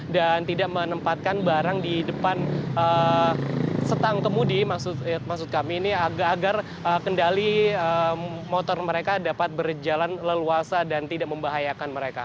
dan tidak menempatkan barang di depan setang kemudi maksud kami ini agar kendali motor mereka dapat berjalan leluasa dan tidak membahayakan mereka